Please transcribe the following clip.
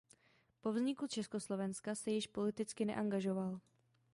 Po vzniku Československa se již politicky neangažoval.